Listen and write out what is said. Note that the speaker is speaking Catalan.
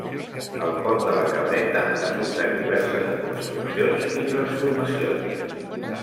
El pont de la Cabreta ha sofert diverses reconstruccions i transformacions.